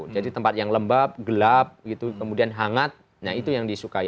jadi tempat yang lembab gelap kemudian hangat itu yang disukai